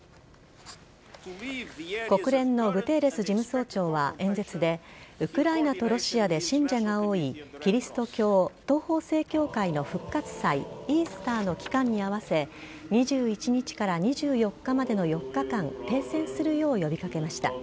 国連のグテーレス事務総長は演説でウクライナとロシアで信者が多いキリスト教東方正教会の復活祭イースターの期間に合わせ２１日から２４日までの４日間停戦するよう呼び掛けました。